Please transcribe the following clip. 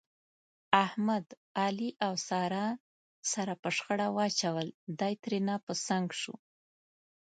احمد، علي او ساره سره په شخړه واچول، دی ترېنه په څنګ شو.